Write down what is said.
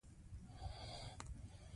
د دیراوت د بنګو کیسې او قیوم خان اوازې وې.